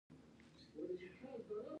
ایا زما وزن نورمال دی؟